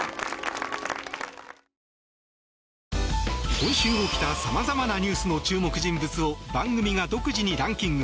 今週起きた様々なニュースの注目人物を番組が独自にランキング。